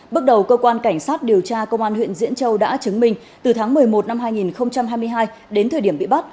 bước đầu cơ quan cảnh sát điều tra công an huyện diễn châu đã chứng minh từ tháng một mươi một năm hai nghìn hai mươi hai đến thời điểm bị bắt